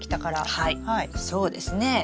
はいそうですね。